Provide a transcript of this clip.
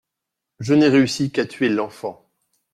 Je n'ai réussi qu'à tuer l'enfant.